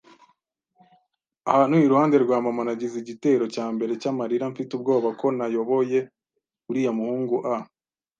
ahantu iruhande rwa mama, nagize igitero cyambere cyamarira. Mfite ubwoba ko nayoboye uriya muhungu a